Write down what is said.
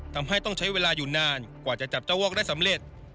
ต้องใช้เวลาอยู่นานกว่าจะจับเจ้าวอกได้สำเร็จ